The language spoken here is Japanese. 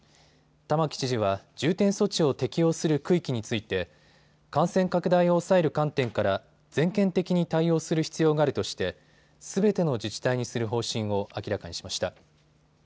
玉城知事は重点措置を適用する区域について感染拡大を抑える観点から全県的に対応する必要があるとしてすべての自治体にする方針を明らかにしました。